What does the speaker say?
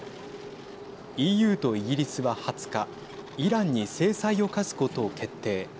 ＥＵとイギリスは２０日イランに制裁を科すことを決定。